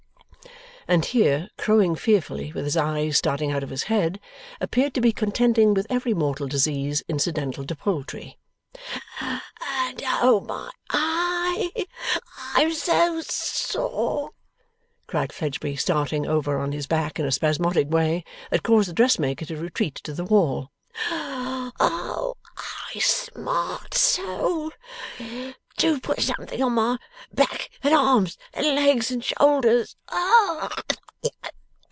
Ah h h h!' And here, crowing fearfully, with his eyes starting out of his head, appeared to be contending with every mortal disease incidental to poultry. 'And Oh my Eye, I'm so sore!' cried Fledgeby, starting, over on his back, in a spasmodic way that caused the dressmaker to retreat to the wall. 'Oh I smart so! Do put something to my back and arms, and legs and shoulders.